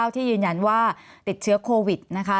ที่ยืนยันว่าติดเชื้อโควิดนะคะ